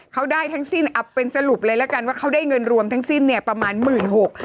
เขาได้ทั้งสิ้นเอาเป็นสรุปเลยแล้วกันว่าเขาได้เงินรวมทั้งสิ้นเนี่ยประมาณหมื่นหก